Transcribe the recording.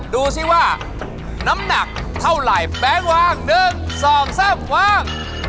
ดูสิว่าน้ำหนักเท่าไหร่แม็กซ์วาง๑๒๓วาง